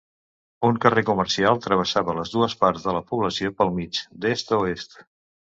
Un carrer comercial travessava les dues parts de la població pel mig, d'est a oest.